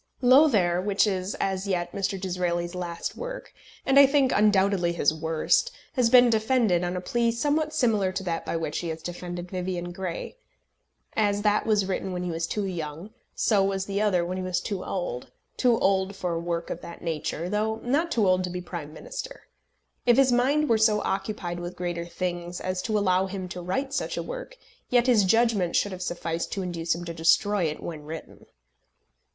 Lothair, which is as yet Mr. Disraeli's last work, and, I think, undoubtedly his worst, has been defended on a plea somewhat similar to that by which he has defended Vivian Grey. As that was written when he was too young, so was the other when he was too old, too old for work of that nature, though not too old to be Prime Minister. If his mind were so occupied with greater things as to allow him to write such a work, yet his judgment should have sufficed to induce him to destroy it when written.